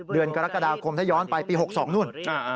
เดือนกรกฎาคมถ้าย้อนไปปี๖๒นู่น